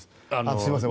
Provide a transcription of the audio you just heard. すいません。